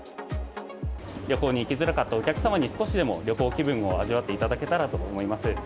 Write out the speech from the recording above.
旅行に行きづらかったお客様に、少しでも旅行気分を味わっていただけたらと思います。